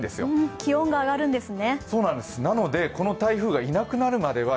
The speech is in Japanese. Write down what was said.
気温が上がるんですね。